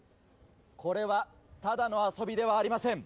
これはただの遊びではありません。